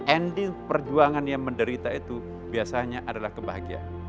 ending perjuangan yang menderita itu biasanya adalah kebahagiaan